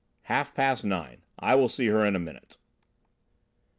"Half past nine. I will see her in a minute."